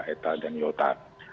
eta dan iota